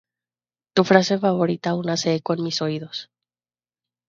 Tu frase favorita aún hace eco en mis oídos.